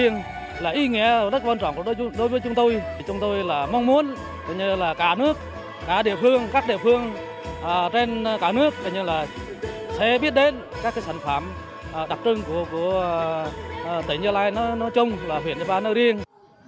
nghĩa rất quan trọng đối với chúng tôi chúng tôi mong muốn cả nước cả địa phương các địa phương trên cả nước sẽ biết đến các sản phẩm đặc trưng của tỉnh gia lai nói chung huyện gia lai nói riêng